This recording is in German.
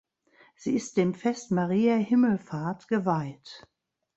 Sie ist dem Fest Mariä Himmelfahrt geweiht.